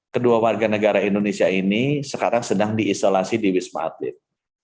kedua warga negara indonesia ini sekarang sedang diisolasi di wisma atlet